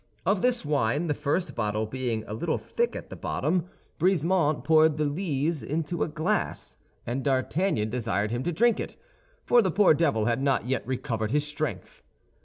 Of this wine, the first bottle being a little thick at the bottom, Brisemont poured the lees into a glass, and D'Artagnan desired him to drink it, for the poor devil had not yet recovered his strength.